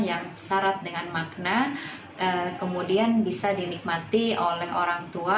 yang syarat dengan makna kemudian bisa dinikmati oleh orang tua